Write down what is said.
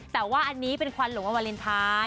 แต่ว่าอันนี้เป็นควันหลงวันวาเลนไทย